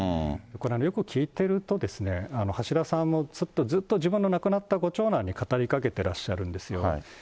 これはよく聞いてると、橋田さんもずっとずっとご自分の亡くなったご長男に語りかけていらっしゃるんですよ。